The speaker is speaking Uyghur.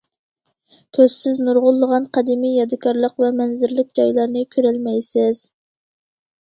كۆزسىز نۇرغۇنلىغان قەدىمىي يادىكارلىق ۋە مەنزىرىلىك جايلارنى كۆرەلمەيسىز.